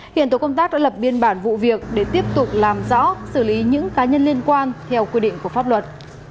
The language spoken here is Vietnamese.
hiện tổ công tác đã lập biên bản vụ việc để tiếp tục làm rõ xử lý những cá nhân liên quan theo quy định của pháp luật